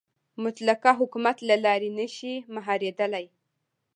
مطلقه حکومت له لارې نه شي مهارېدلی.